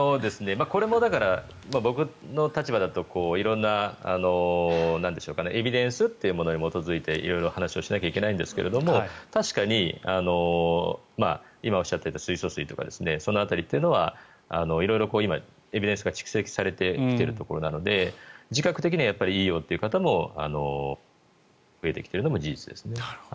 これも僕の立場だと色んなエビデンスというものに基づいて話をしないといけないんですが確かに今おっしゃっていた水素水とかその辺りというのは色々エビデンスが蓄積されているところなので自覚的にはいいよという方も増えてきているのも事実ですね。